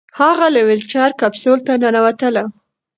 هغې له ویلچیر کپسول ته ننوتله.